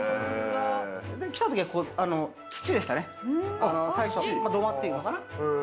来た時は土でしたね、最初、土間っていうのかな。